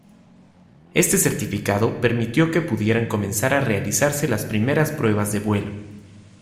Este certificado permitió que pudieran comenzar a realizarse las primeras pruebas de vuelo.